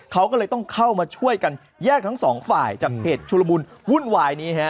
เขาก็เลยต้องเข้ามาช่วยกันแยกทั้งสองฝ่ายจากเหตุชุลมุนวุ่นวายนี้ฮะ